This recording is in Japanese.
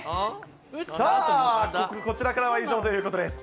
さあ、こちらからは以上ということです。